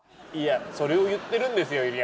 いやそれを言ってるんですよ